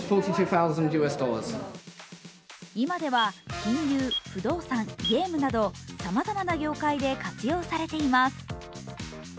今では金融・不動産・ゲームなどさまざまな業界で活用されています。